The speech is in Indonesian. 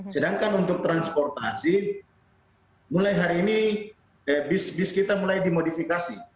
sedangkan untuk transportasi mulai hari ini bis bis kita mulai dimodifikasi